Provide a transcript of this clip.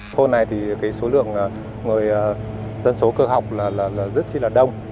thôn này thì số lượng dân số cơ học rất đông